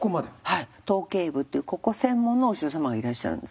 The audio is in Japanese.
はい頭頸部っていうここ専門のお医者様がいらっしゃるんです。